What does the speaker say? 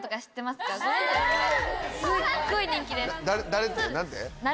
・すっごい人気です。